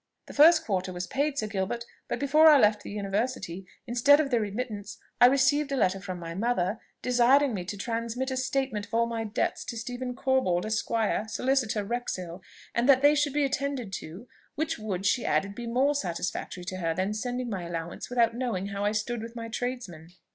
"The first quarter was paid, Sir Gilbert; but before I left the University, instead of the remittance, I received a letter from my mother, desiring me to transmit a statement of all my debts to Stephen Corbold, Esq. solicitor, Wrexhill; and that they should be attended to; which would, she added, be more satisfactory to her than sending my allowance without knowing how I stood with my tradesmen."